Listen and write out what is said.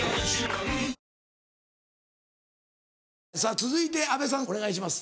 続いて阿部さんお願いします。